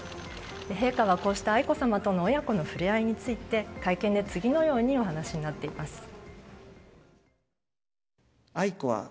陛下は、こうした愛子さまとの親子の触れ合いについて会見で次のようにお話しになっています。